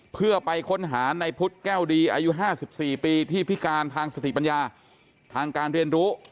เพื่อไปค้นหาในพุทธแก้วดีอายุ๕๔ปีที่พิการทางสติปัญญาทางการเรียนรู้